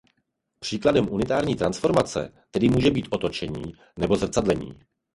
Příkladem unitární transformace tedy může být otočení nebo zrcadlení.